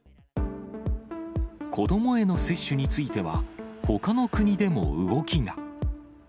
子どもへの接種については、ほかの国でも動きが。